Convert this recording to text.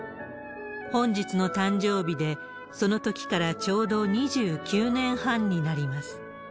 本日の誕生日で、そのときからちょうど２９年半になります。